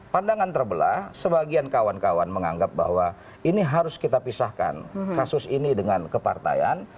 pandangan terbelah sebagian kawan kawan menganggap bahwa ini harus kita pisahkan kasus ini dengan kepartaian